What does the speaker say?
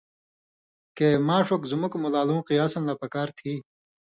کہ ماݜ اوک زُمُک مُولا لُوں قیاساً لہ پکار تھی